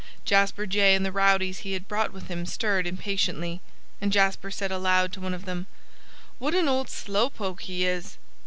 Jasper Jay and the rowdies he had brought with him stirred impatiently. And Jasper said aloud to one of them: "What an old slow poke he is!"